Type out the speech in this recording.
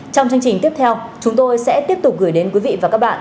trong chương trình tiếp theo chúng tôi sẽ tiếp tục gửi đến quý vị và các bạn